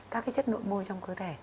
các chất nội môi trong cơ thể